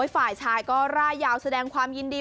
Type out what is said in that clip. ฝ่ายชายก็ร่ายยาวแสดงความยินดี